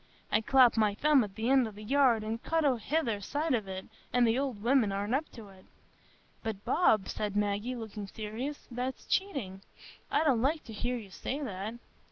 I clap my thumb at the end o' the yard and cut o' the hither side of it, and the old women aren't up to't." "But Bob," said Maggie, looking serious, "that's cheating; I don't like to hear you say that."